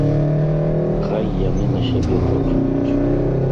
Хай яны на сябе працуюць.